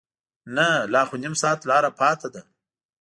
نه لا خو نیم ساعت لاره پاتې ده.